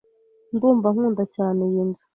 Ndumva nkunda cyane iyi nzu.